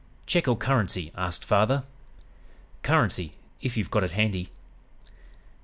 "'Check or currency?' asked father. "'Currency, if you've got it handy.'